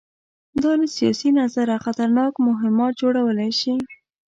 دا له سیاسي نظره خطرناک مهمات جوړولی شي.